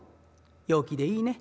陽気でいいね。